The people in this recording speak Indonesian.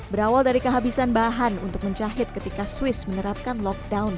berawal dari kehabisan bahan untuk menjahit ketika swiss menerapkan lockdown